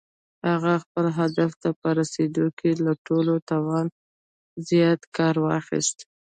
هغه خپل هدف ته په رسېدلو کې له ټول توان څخه کار واخيست.